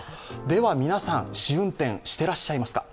では皆さん、試運転、してらっしゃいますか？